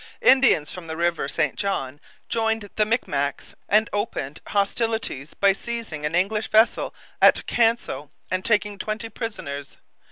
Indians from the river St John joined the Micmacs and opened hostilities by seizing an English vessel at Canso and taking twenty prisoners.